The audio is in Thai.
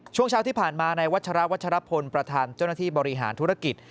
ช่วงเช้าที่ผ่านมาในวัชราวัชรพลประธานเจ้าหน้าที่บริหารธุรกิจ